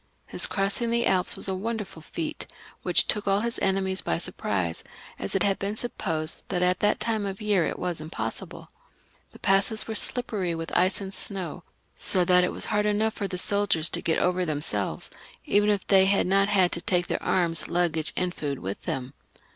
His crossing the Alps was a wonderftd feat, which took all his enemies by surprise, as it had been supposed that at that time of year it was impossible. The passes were slippery with ice and snow, so that it was hard enough for the men of the army to get over themselves, even if they had not had to take their arms, luggage, and food with them.